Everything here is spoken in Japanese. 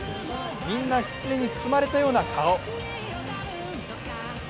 みんなキツネにつままれたような顔。